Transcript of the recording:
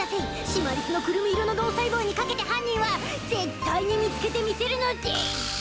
シマリスのクルミ色の脳細胞に懸けて犯人は絶対に見つけてみせるのでぃす！